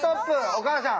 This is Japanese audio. お母さん！